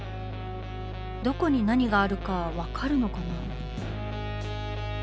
どこに何があるか分かるのかな。